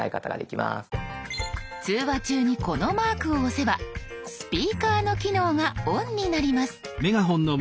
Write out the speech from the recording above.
通話中にこのマークを押せばスピーカーの機能がオンになります。